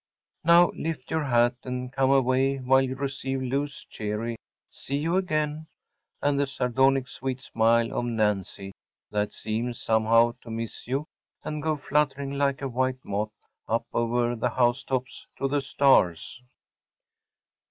Now lift your hat and come away, while you receive Lou’s cheery “See you again,‚ÄĚ and the sardonic, sweet smile of Nancy that seems, somehow, to miss you and go fluttering like a white moth up over the housetops to the stars.